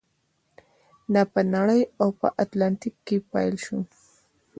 دا په نړۍ او په اتلانتیک کې پیل شو.